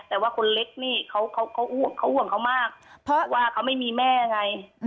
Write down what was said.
แต่ว่าคนเล็กนี่เขาห่วงเขามากเพราะว่าเขาไม่มีแม่ไง